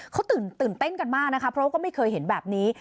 เขาตื่นเต้นกันมากนะคะเพราะว่าก็ไม่เคยเห็นแบบนี้